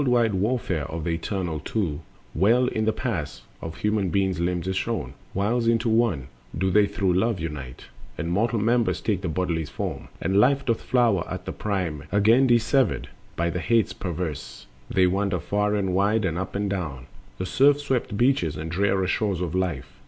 20. The world wide warfare of the eternal Two Well in the mass of human limbs is shown: Whiles into one do they through Love unite, And mortal members take the body's form, And life doth flower at the prime; and whiles, Again dissevered by the Hates perverse, They wander far and wide and up and down The surf swept beaches and drear shores of life.